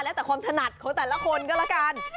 แล้วแต่ความถนัดของแต่ละคนก็แล้วกัน